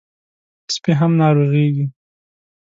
سپي هم ناروغېږي.